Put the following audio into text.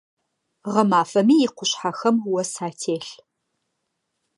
Гъэмафэми икъушъхьэхэм ос ателъ.